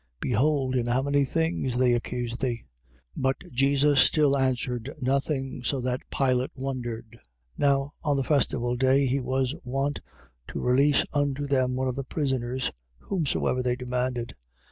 Behold in how many things they accuse thee. 15:5. But Jesus still answered nothing: so that Pilate wondered. 15:6. Now on the festival day he was wont to release unto them one of the prisoners, whomsoever they demanded.